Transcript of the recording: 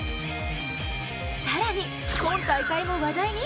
さらに今大会も話題に？